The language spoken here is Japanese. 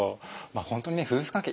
本当にね夫婦関係